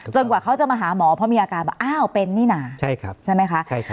กว่าเขาจะมาหาหมอเพราะมีอาการว่าอ้าวเป็นนี่นะใช่ไหมคะ